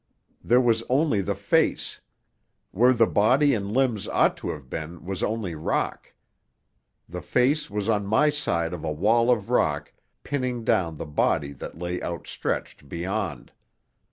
There was only the face. Where the body and limbs ought to have been was only rock. The face was on my side of a wall of rock, pinning down the body that lay outstretched beyond.